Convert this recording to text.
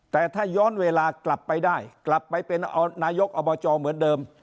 แต่ถ้าย้อนเวลากลับไปได้กลับไปเป็นนายกอบจเหมือนเดิม